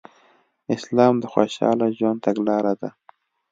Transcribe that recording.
اسلام د خوشحاله ژوند تګلاره ده